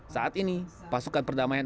saat ini pasukan perdamaian